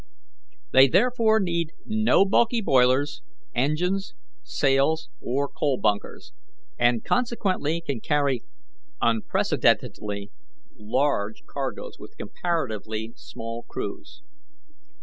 They therefore need no bulky boilers, engines, sails, or coal bunkers, and consequently can carry unprecedentedly large cargoes with comparatively small crews.